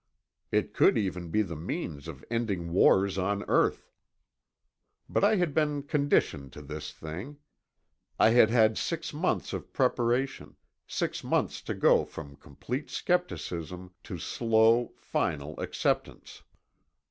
It could even be the means of ending wars on earth. But I had been conditioned to this thing. I had had six months of preparation, six months to go from complete skepticism to slow, final acceptance.